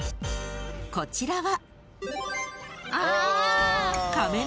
こちらは］